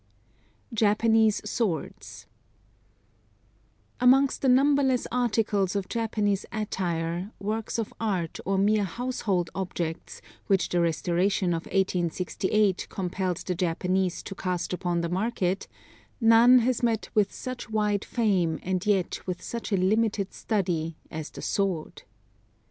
JAPANESE SWORDS Amongst the numberless articles of Japanese attire, works of art or mere household objects which the Restoration of 1868 compelled the Japanese to cast upon the market, none has met with such wide fame and yet with such a limited study as the Sword.